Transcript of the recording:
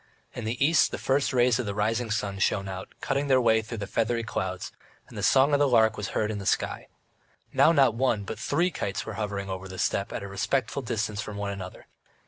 In the east the first rays of the rising sun shone out, cutting their way through the feathery clouds, and the song of the lark was heard in the sky. Now not one but three kites were hovering over the steppe at a respectful distance from one another.